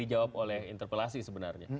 dijawab oleh interpelasi sebenarnya